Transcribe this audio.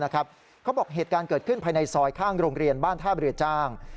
เขาบอกเหตุการณ์เกิดขึ้นภายในซอยข้างโรงเรียนบ้านท่าเรือจ้าง